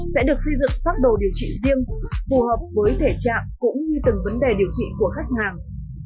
sẽ được xây dựng pháp đồ điều trị riêng phù hợp với thể trạng cũng như từng vấn đề điều trị của khách hàng